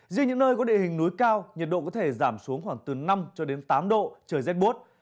riêng những nơi có địa hình núi cao nhiệt độ có thể giảm xuống khoảng từ năm tám độ trời rét bốt